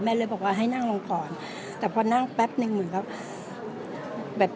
แม่เลยบอกว่าให้นั่งลงก่อนแต่พอนั่งแป๊บนึงเหมือนเขา